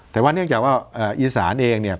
แต่ว่าเนื่องจากว่าอีสานเองเนี่ย